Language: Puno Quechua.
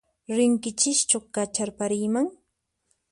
Rinkichischu kacharpariyman?